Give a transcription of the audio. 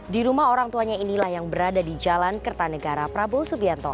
di rumah orang tuanya inilah yang berada di jalan kertanegara prabowo subianto